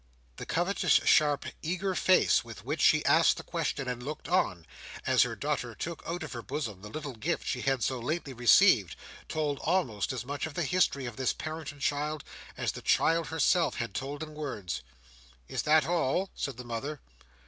The covetous, sharp, eager face, with which she asked the question and looked on, as her daughter took out of her bosom the little gift she had so lately received, told almost as much of the history of this parent and child as the child herself had told in words. "Is that all?" said the mother.